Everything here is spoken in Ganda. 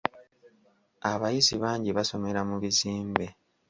Abayizi bangi basomera mu bizimbe.